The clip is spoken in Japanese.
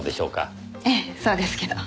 ええそうですけど。